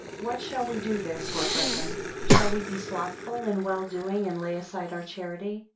WHAT shall we do therefore, brethren? Shall we be slothful in well doing, and lay aside our charity?